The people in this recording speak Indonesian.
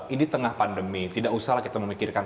ini tengah pandemi tidak usahlah kita memikirkan